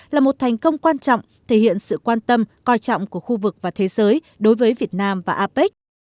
là một thành công quan trọng thể hiện sự quan tâm coi trọng của khu vực và thế giới đối với việt nam và apec